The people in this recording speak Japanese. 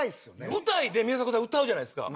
舞台で宮迫さん歌うじゃないですか。